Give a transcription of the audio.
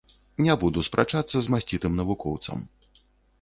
Не буду спрачацца з масцітым навукоўцам.